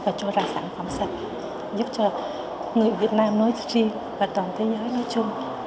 và cho ra sản phẩm sạch giúp cho người việt nam nói riêng và toàn thế giới nói chung